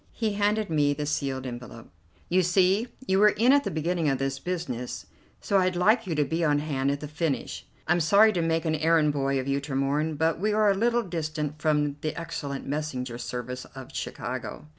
He handed me the sealed envelope. "You see you were in at the beginning of this business, so I'd like you to be on hand at the finish. I'm sorry to make an errand boy of you, Tremorne, but we are a little distant from the excellent messenger service of Chicago."